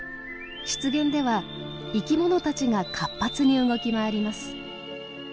湿原では生き物たちが活発に動き回ります。